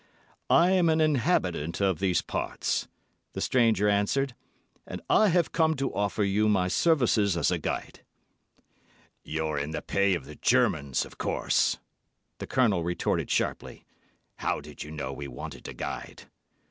"I'm an inhabitant of these parts," the stranger answered, "and I have come to offer you my services as guide." "You're in the pay of the Germans, of course," the Colonel retorted sharply. "How did you know we wanted a guide?"